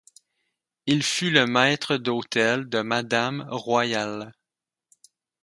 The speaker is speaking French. Il fut le Maître d'hôtel de Madame Royale.